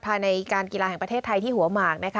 ในการกีฬาแห่งประเทศไทยที่หัวหมากนะคะ